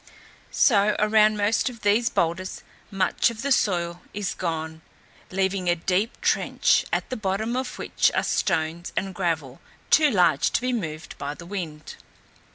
So, around most of these boulders, much of the soil is gone, leaving a deep trench, at the bottom of which are stones and gravel, too large to be moved by the wind.